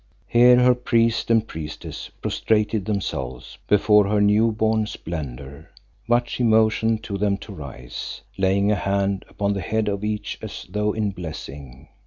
Here her priest and priestess prostrated themselves before her new born splendour, but she motioned to them to rise, laying a hand upon the head of each as though in blessing.